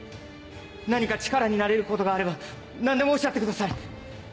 何か力になれることがあれば何でもおっしゃってください。